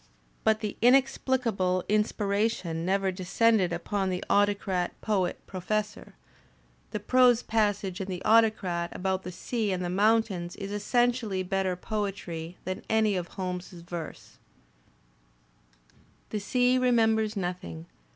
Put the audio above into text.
But the inexplicable inspiration never descended upon the Autocrat Poet Professor. The prose passage in "The Au tocrat" about the sea and the moimtains is essentially better poetry than any of Holmes's verse: "The sea remembers nothing.